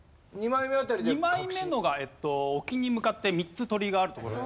２枚目のが沖に向かって３つ鳥居がある所。